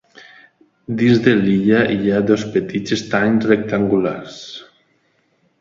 Dins de l'illa hi ha dos petits estanys rectangulars.